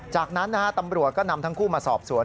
จากนั้นตำรวจก็นำทั้งคู่มาสอบสวน